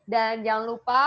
dan jangan lupa